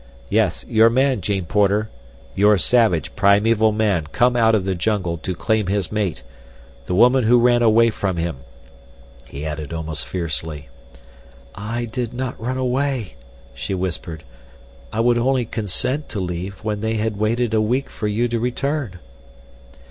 "Yes, your man, Jane Porter. Your savage, primeval man come out of the jungle to claim his mate—the woman who ran away from him," he added almost fiercely. "I did not run away," she whispered. "I would only consent to leave when they had waited a week for you to return."